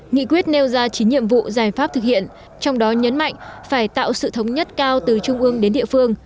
nghị quyết nêu ra chín nhiệm vụ giải pháp thực hiện trong đó nhấn mạnh phải tạo sự thống nhất cao từ trung ương đến địa phương